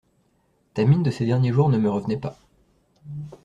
Ta mine de ces derniers jours ne me revenait pas.